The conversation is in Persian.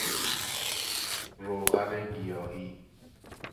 روغن گیاهی